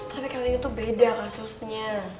tapi kali ini tuh beda kasusnya